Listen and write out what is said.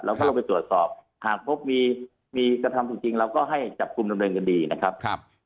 แล้วถ้าเราไปตรวจสอบหากพบมีกระทำจริงเราก็ให้จับคุมเดินกันดีนะครับ